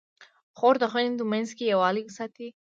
خور د خویندو منځ کې یووالی ساتي.